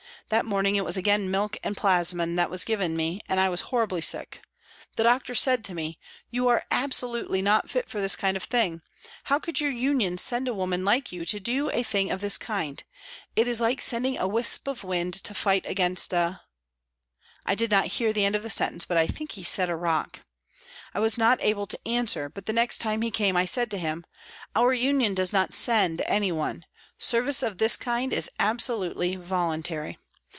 That morning it was again milk and plasmon that was given me, and I was horribly sick. The doctor said to me, " You are absolutely not fit for this kind of thing. How could your Union send a woman like you to do a thing of this kind ? It is like sending a wisp of wind to fight against a " I did not hear the end of the sentence, but I think he said " a rock." I was not able to answer, but the next time he came I said to him, " Our Union does not send anyone; service of this kind is absolutely voluntary.